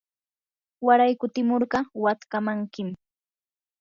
waray kutimurqa watkamankim.